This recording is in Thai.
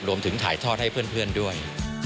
รวมถึงถ่ายทอดให้เพื่อนด้วย